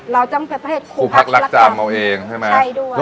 เราจ้ามประเภทขูพักลักจำเอาเองใช่ด้วย